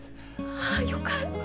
あよかった！